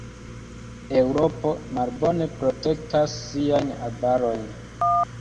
Eŭropo malbone protektas siajn arbarojn.